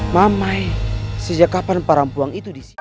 mamae sejak kapan para empuang itu disini